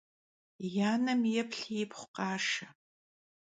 Yi anem yêplhi yipxhu khaşşe.